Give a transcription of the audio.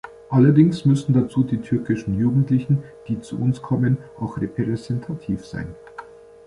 Allerdings müssen dazu die türkischen Jugendlichen, die zu uns kommen, auch repräsentativ sein.